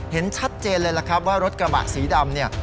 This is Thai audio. เห็นชัดเจนเลยแหละครับว่ารถกระบะสีดำ